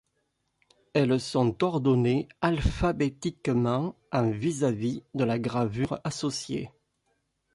Elles sont ordonnées alphabétiquement, en vis-à-vis de la gravure associée.